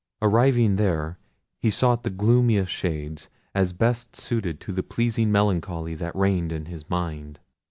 Arriving there, he sought the gloomiest shades, as best suited to the pleasing melancholy that reigned in his mind.